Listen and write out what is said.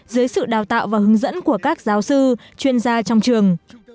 dưới sự đào tạo và hướng dẫn của các giáo sư chuyên gia trong trường